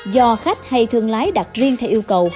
do khách hay thương lái đặt riêng theo yêu cầu